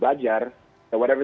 apa yang mereka belajar